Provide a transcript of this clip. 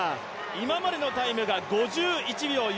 今までのタイムが５１秒４１。